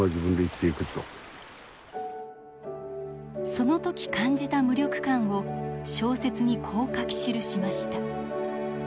その時感じた無力感を小説にこう書き記しました。